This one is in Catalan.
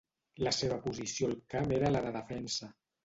La seva posició al camp era la de defensa.